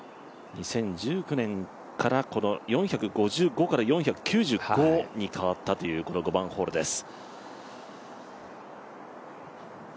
２０１９年から４５５から４９５に変わったという、この５番ホールです。